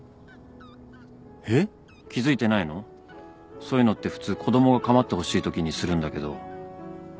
そういうのって普通子供が構ってほしいときにするんだけど。